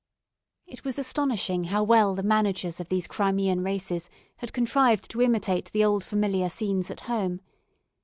It was astonishing how well the managers of these Crimean races had contrived to imitate the old familiar scenes at home.